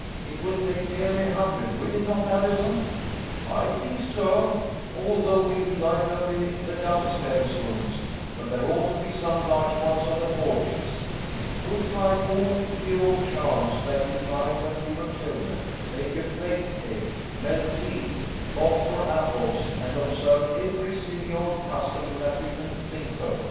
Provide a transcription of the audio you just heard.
It will take nearly a hundred, will it not, Allison ?"" I think so, although we will light only the down stairs rooms, but there ought to be some large ones on the porches. We'll try all the old charms that we tried when we were children ; bake a fate cake, melt lead, bob for apples, and observe every silly old custom that we can think of.